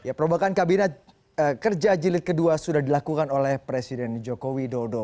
ya perobakan kabinet kerja jilid kedua sudah dilakukan oleh presiden jokowi dodo